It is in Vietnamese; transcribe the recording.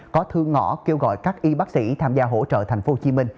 có thư ngõ kêu gọi các y bác sĩ tham gia hỗ trợ tp hcm